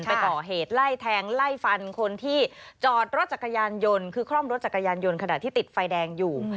ไปก่อเหตุไล่แทงไล่ฟันคนที่จอดรถจักรยานยนต์คือคล่อมรถจักรยานยนต์ขณะที่ติดไฟแดงอยู่